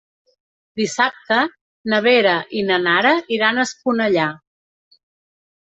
Dissabte na Vera i na Nara iran a Esponellà.